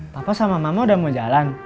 papa sama mama udah mau jalan